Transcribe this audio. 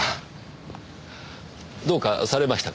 どうかされましたか？